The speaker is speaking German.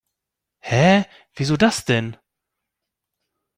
Hä, wieso das denn?